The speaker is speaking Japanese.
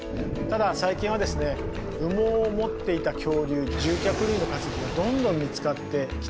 ただ最近はですね羽毛を持っていた恐竜獣脚類の化石がどんどん見つかってきています。